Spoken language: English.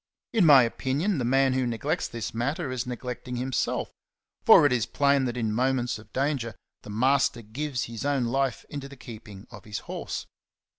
In my opin ion, the man who neglects this matter is neglecting himself; for it is plain that in moments of danger the master gives his own life into the keeping of his horse.